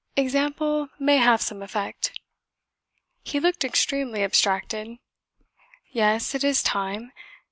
"Example may have some effect." He looked extremely abstracted. "Yes, it is time.